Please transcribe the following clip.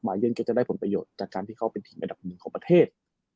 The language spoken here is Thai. เย่นแกจะได้ผลประโยชน์จากการที่เขาเป็นทีมระดับหนึ่งของประเทศ